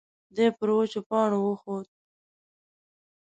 دی پر وچو پاڼو وخوت.